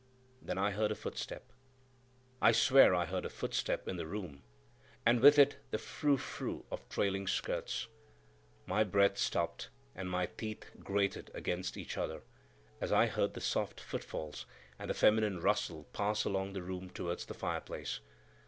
Then I heard a footstep,—I swear I heard a footstep in the room, and with it the frou frou of trailing skirts; my breath stopped and my teeth grated against each other as I heard the soft footfalls and the feminine rustle pass along the room towards the fireplace.